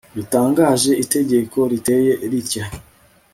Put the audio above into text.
DUTANGAJE ITEGEKO RITEYE RITYA